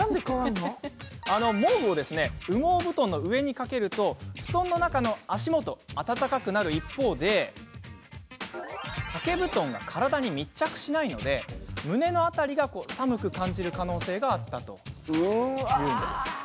毛布を羽毛布団の上にかけると布団の中の足元温かくなる一方で掛け布団が体に密着しないので胸の辺りが寒く感じる可能性があったと。